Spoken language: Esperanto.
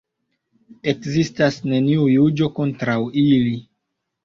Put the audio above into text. Ekzistas neniu juĝo kontraŭ ili.